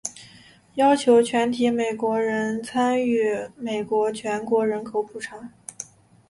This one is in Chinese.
要求全体美国人参与美国全国人口普查。